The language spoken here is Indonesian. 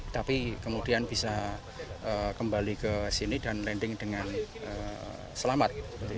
tapi kemudian bisa kembali ke sini dan landing dengan selamat